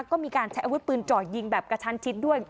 ก็มีการใช้อาวุธปืนเจาะยิงแบบกระชั้นชิดด้วย